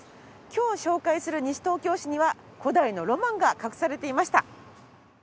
今日紹介する西東京市には古代のロマンが隠されていました。